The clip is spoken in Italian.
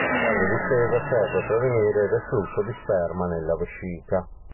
Quando è distesa serve a prevenire il reflusso di sperma nella vescica.